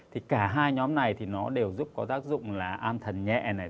thì cả hai nhóm này thì nó đều giúp có tác dụng là an thần nhẹ này